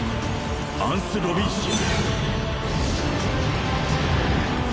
アンスロビンシア！